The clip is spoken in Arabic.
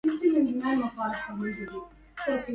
عرساً.. وحياه!